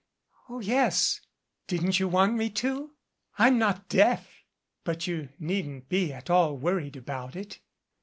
"Oh, yes, didn't you want me to? I'm not deaf. But you needn't be at all worried about it."